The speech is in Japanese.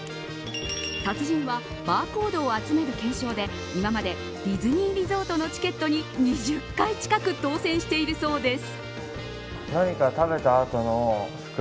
達人はバーコードを集める懸賞で今までディズニーリゾートのチケットに２０回近く当選しているそうです。